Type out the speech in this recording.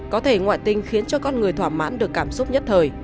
có thể ngoại tình khiến cho con người thỏa mãn được cảm xúc nhất thời